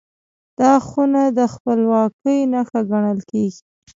دا خونه د خپلواکۍ نښه ګڼل کېږي.